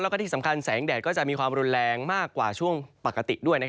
แล้วก็ที่สำคัญแสงแดดก็จะมีความรุนแรงมากกว่าช่วงปกติด้วย